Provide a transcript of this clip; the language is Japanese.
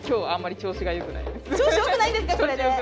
調子よくないんですか？